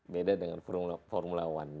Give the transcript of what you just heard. beda dengan formula one